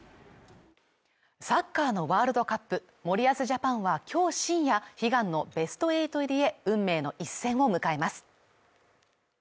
サッカーのワールドカップ森保ジャパンは今日深夜悲願のベスト８入りへ運命の一戦を迎えます